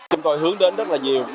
chúng tôi hướng đến rất là nhiều